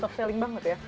top selling banget ya